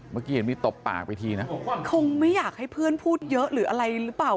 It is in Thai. เมื่อกี้เห็นมีตบปากไปทีนะคงไม่อยากให้เพื่อนพูดเยอะหรืออะไรหรือเปล่า